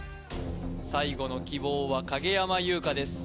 最後の希望は影山優佳です